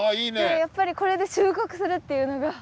やっぱりこれで収穫するっていうのが。